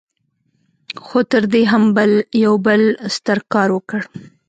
خو تر دې يې هم يو بل ستر کار وکړ.